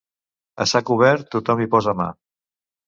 A sac obert, tothom hi posa mà.